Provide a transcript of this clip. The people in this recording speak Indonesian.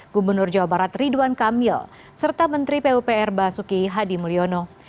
gubernur jawa barat ridwan kamil serta menteri pupr basuki hadi mulyono